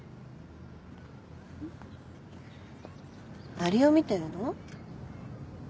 アリを見てるの？